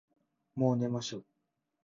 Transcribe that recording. もう寝ましょ。